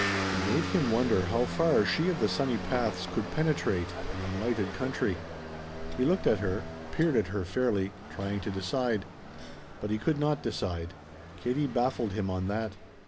It made him wonder how far she of the sunny paths could penetrate an unlighted country. He looked at her peered at her, fairly trying to decide. But he could not decide. Katie baffled him on that.